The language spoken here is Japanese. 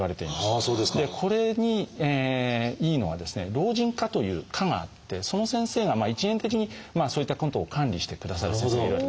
「老人科」という科があってその先生が一元的にそういったことを管理してくださる先生がいるわけですね。